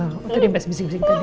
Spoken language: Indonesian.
oh tadi mbak andi bising bising tadi